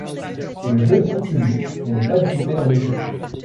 Le jeu est continu et n'est pas découpé en niveaux.